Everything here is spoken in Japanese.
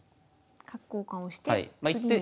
角交換をして次に。